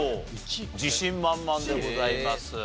自信満々でございます。